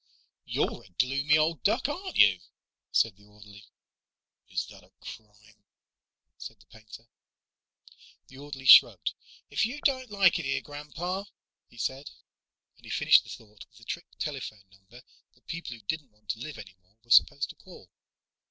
"You're a gloomy old duck, aren't you?" said the orderly. "Is that a crime?" said the painter. The orderly shrugged. "If you don't like it here, Grandpa " he said, and he finished the thought with the trick telephone number that people who didn't want to live any more were supposed to call.